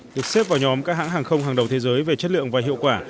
được xếp vào nhóm các hãng hàng không hàng đầu thế giới về chất lượng và hiệu quả